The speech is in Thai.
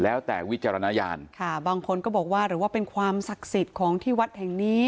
แล้วแต่วิจารณญาณค่ะบางคนก็บอกว่าหรือว่าเป็นความศักดิ์สิทธิ์ของที่วัดแห่งนี้